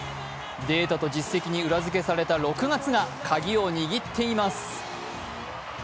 データと実績に裏付けされた６月がカギを握っています。